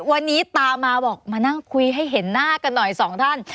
วันนี้ตามมาบอกมานั่งคุยให้เห็นหน้ากันหน่อยสองท่าน